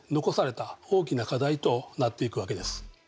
残された大きな課題となっていくわけです。